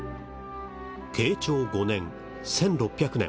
慶長５年１６００年。